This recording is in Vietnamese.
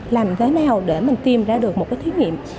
làm thế nào để mình tìm ra được một cái thí nghiệm